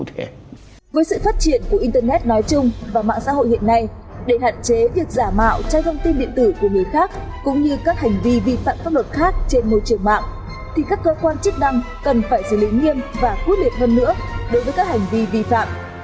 thì các cơ quan chức năng cần phải xử lý nghiêm và quy định rõ ràng hơn để giải pháp luật xử lý những tài khoản cố tình vi phạm chỉ đến khi hậu quả xảy ra mới xử lý những tài khoản cố tình vi phạm